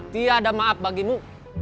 tidak ada maaf bagimu